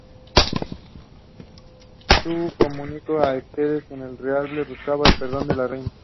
Se comunicó a Essex que el rebelde buscaba el perdón de la reina.